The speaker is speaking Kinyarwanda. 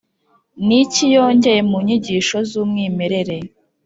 ni iki yongeye mu nyigisho z’umwimerere